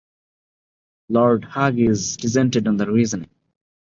Lord Hughes dissented on the reasoning.